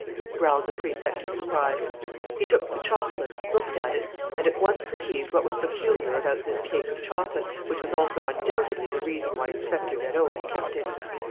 growled the Prefect in surprise. He took the chocolate, looked at it, and at once perceived what was peculiar about this cake of chocolate, which was also undoubtedly the reason why Inspector Vérot had kept it.